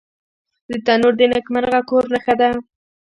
تنور د نیکمرغه کور نښه ده